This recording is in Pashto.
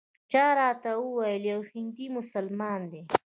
چا راته وویل یو هندي مسلمان دی.